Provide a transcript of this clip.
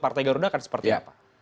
partai garuda akan seperti apa